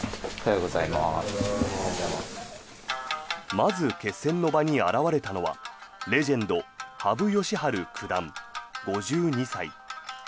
まず決戦の場に現れたのはレジェンド羽生善治九段、５２歳。